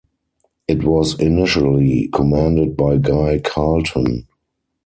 It was initially commanded by Guy Carleton.